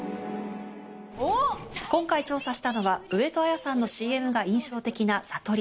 今回調査したのは上戸彩さんのＣＭが印象的なＳＡＴＯＲＩ